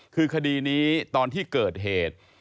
คือคดีนี้ตอนที่เกิดเหตุ